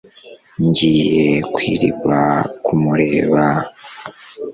ngiye ku iriba kumureba